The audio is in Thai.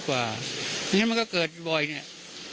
อย่างนี้ดีกว่าไม่ใช่มันก็เกิดบ่อยเนี่ย